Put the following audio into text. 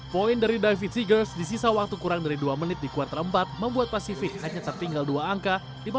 poin dari david seagorst di sisa waktu kurang dari dua menit di kuartal empat membuat pacific hanya tertinggal dua angka lima puluh satu lima puluh tiga